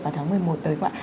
vào tháng một mươi một tới